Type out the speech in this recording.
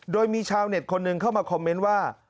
โดยมีชาวเน็ตคนหนึ่งเข้ามาคอมเมนต์ว่า